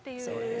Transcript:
そう。